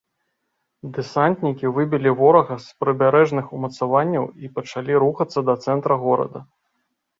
Дэсантнікі выбілі ворага з прыбярэжных умацаванняў і пачалі рухацца да цэнтра горада.